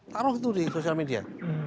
taruh itu di sosial media